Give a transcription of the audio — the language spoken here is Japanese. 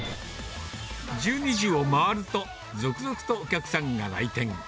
１２時を回ると、続々とお客さんが来店。